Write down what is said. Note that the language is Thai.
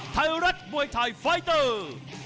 ไทยรัฐมวยไทยไฟเตอร์